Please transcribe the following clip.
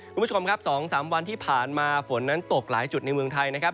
คุณผู้ชมครับ๒๓วันที่ผ่านมาฝนนั้นตกหลายจุดในเมืองไทยนะครับ